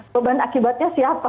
beban akibatnya siapa